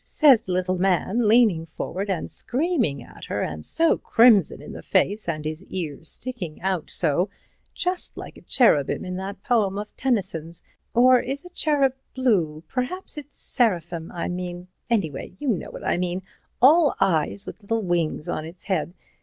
says the little man, leaning forward and screaming at her, and so crimson in the face and his ears sticking out so—just like a cherubim in that poem of Tennyson's—or is a cherub blue?—perhaps it's seraphim I mean—anyway, you know what I mean, all eyes, with little wings on its head.